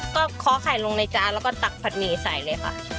ก็เคาะไข่ลงในจานแล้วก็ตักผัดหมี่ใส่เลยค่ะ